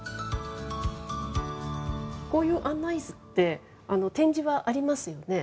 こういう案内図って、点字はありますよね。